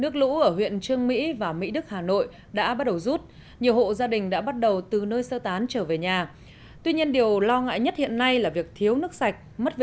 khó khăn lớn nhất hiện tại là việc